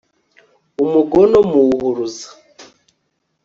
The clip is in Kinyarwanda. umugono muwuhuruza